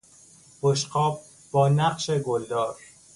بشقاب با نقش گلدار